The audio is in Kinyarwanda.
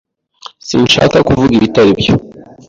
Sinshaka kuvuga ibitari byo.